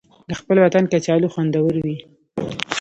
د خپل وطن کچالو خوندور وي